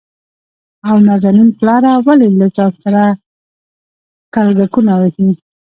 او نازنين پلاره ! ولې له ځان سره کلګکونه وهې؟